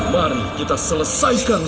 mari kita selesaikan